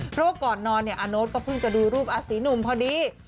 เพราะว่าก่อนนอนเนี่ยอาโน๊ตก็เพิ่งจะดูรูปอาศีหนุ่มพอดี